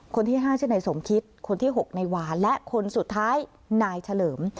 คนที่๕ชื่อนายสมคิดคนที่๖นายวาและคนสุดท้ายนายเฉลิม